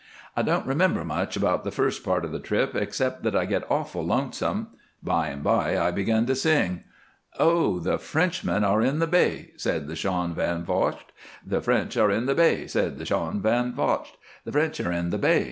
"I don't remember much about the first part of the trip except that I get awful lonesome. By and by I begin to sing: "'Oh, the French are in the bay!' said the Shaun Van Vocht. 'The French are in the bay,' said the Shaun Van Vocht. 'The French are in the bay.